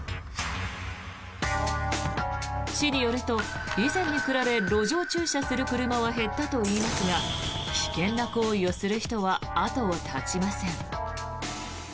市によると、以前に比べ路上駐車する車は減ったといいますが危険な行為をする人は後を絶ちません。